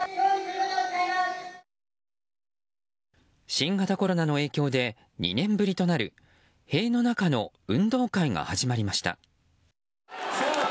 新型コロナの影響で２年ぶりとなる塀の中の運動会が始まりました。